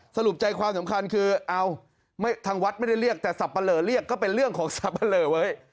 สรุปใจความสำคัญคือเอาทางวัดไม่ได้เรียกแต่สับปะเหลอเรียกก็เป็นเรื่องของสับปะเลอเว้ย